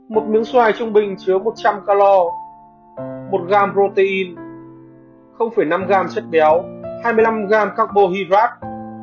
một miếng xoài trung bình chứa một trăm linh k một g protein năm g chất béo hai mươi năm g carbohydrates